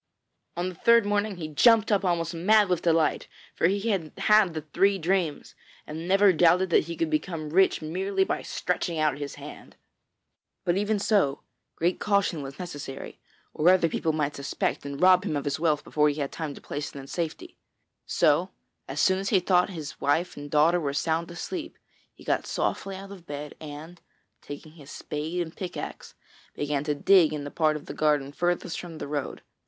On the third morning he jumped up almost mad with delight, for he had had the three dreams, and never doubted that he could become rich merely by stretching out his hand. But even so, great caution was necessary, or other people might suspect and rob him of his wealth before he had time to place it in safety. So as soon as he thought his wife and daughter were sound asleep, he got softly out of bed and, taking his spade and a pickaxe, began to dig in the part of the garden furthest from the road.